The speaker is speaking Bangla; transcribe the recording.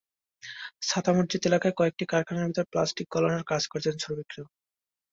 ছাতা মসজিদ এলাকায় কয়েকটি কারখানার ভেতরে প্লাস্টিক গলানোর কাজ করছেন শ্রমিকেরা।